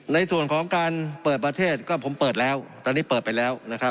ในส่วนของการเปิดประเทศก็ผมเปิดแล้วตอนนี้เปิดไปแล้วนะครับ